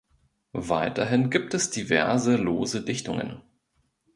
Weiterhin gibt es diverse lose Dichtungen.